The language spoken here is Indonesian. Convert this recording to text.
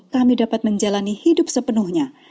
kami dapat menjalani hidup sepenuhnya